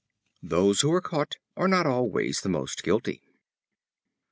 Those who are caught are not always the most guilty.